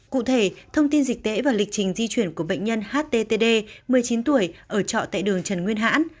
cụ thể thông tin dịch tễ và lịch trình di chuyển của bệnh nhân httd một mươi chín tuổi ở trọ tại đường trần nguyên hãn